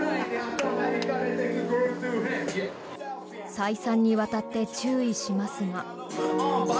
再三にわたって注意しますが。